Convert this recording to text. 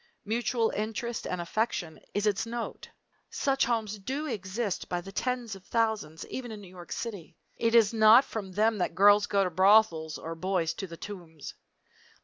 Mutual interest and affection is its note. Such homes do exist by the tens of thousands; even in New York City. It is not from them that girls go to brothels or boys to the Tombs.